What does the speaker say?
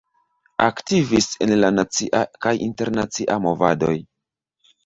Aktivis en la nacia kaj internacia movadoj.